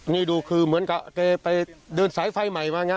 นี่ดูคือเหมือนกับเขาไปเดินสายไฟใหม่มา